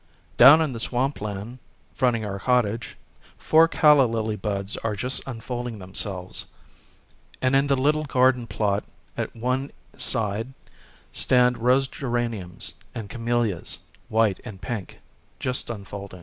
Down in the swamp land fronting our cottage, four calla lily buds are just unfolding themselves ; and in the little garden plat at one side stand rose geraniums and camellias, white and pink, just unfolding.